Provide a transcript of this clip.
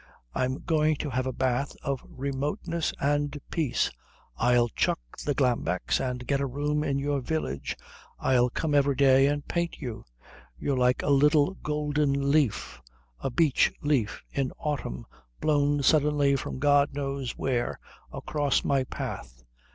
I'm going to have a bath of remoteness and peace. I'll chuck the Glambecks and get a room in your village. I'll come every day and paint you. You're like a little golden leaf, a beech leaf in autumn blown suddenly from God knows where across my path."